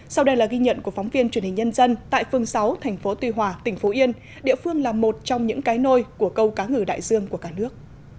sau đây là ghi nhận của phóng viên truyền hình nhân dân tại phương sáu thành phố tuy hòa tỉnh phú yên địa phương là một trong những cái nôi của câu cá ngừ đại dương của cả nước